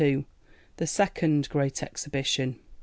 The second Great Exhibition.